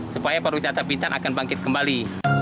supaya pariwisata bintan akan bangkit kembali